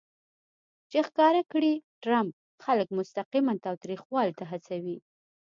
چې ښکاره کړي ټرمپ خلک مستقیماً تاوتریخوالي ته هڅوي